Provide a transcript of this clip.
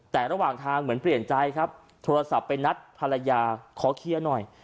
แต่ระหว่างทางเหมือนเปลี่ยนใจครับโทรศัพท์ไปนัดภรรยาขอเคลียร์หน่อย